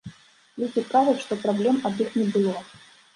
Людзі кажуць, што праблем ад іх не было.